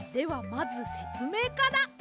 まずせつめいから。